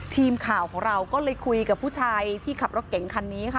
ทีมข่าวของเราก็เลยคุยกับผู้ชายที่ขับรถเก่งคันนี้ค่ะ